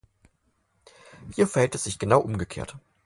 Hier verhält es sich genau umgekehrt.